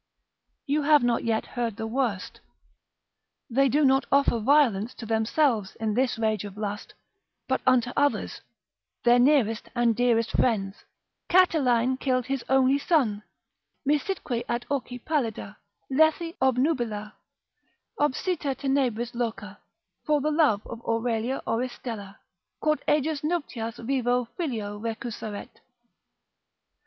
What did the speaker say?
You have not yet heard the worst, they do not offer violence to themselves in this rage of lust, but unto others, their nearest and dearest friends. Catiline killed his only son, misitque ad orci pallida, lethi obnubila, obsita tenebris loca, for the love of Aurelia Oristella, quod ejus nuptias vivo filio recusaret.